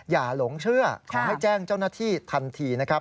หลงเชื่อขอให้แจ้งเจ้าหน้าที่ทันทีนะครับ